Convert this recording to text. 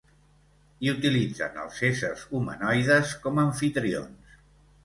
I utilitzen els éssers humanoides com amfitrions.